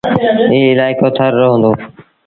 ايٚ الآئيڪو ٿر رو هُݩدو۔